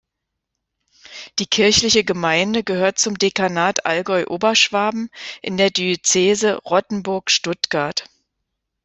Die kirchliche Gemeinde gehört zum Dekanat Allgäu-Oberschwaben, in der Diözese Rottenburg-Stuttgart.